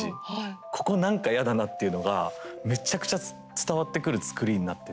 ここ何かやだなっていうのがむちゃくちゃ伝わってくる作りになってて。